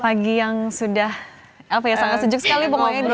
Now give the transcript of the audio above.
pagi yang sudah apa ya sangat sejuk sekali pengobrolnya